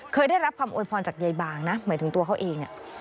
เคยได้รับคำโอยพรจากยายบางนะเหมือนถึงตัวเขาเอง